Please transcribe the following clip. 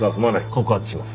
告発します。